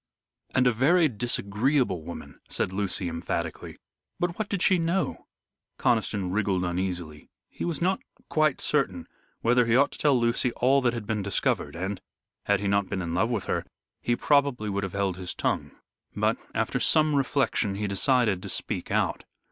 "And a very disagreeable woman," said Lucy, emphatically. "But what did she know?" Conniston wriggled uneasily. He was not quite certain whether he ought to tell Lucy all that had been discovered, and, had he not been in love with her, he would probably have held his tongue. But, after some reflection, he decided to speak out.